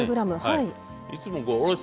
はい。